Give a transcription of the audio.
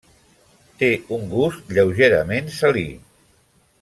Té un gust lleugerament salí.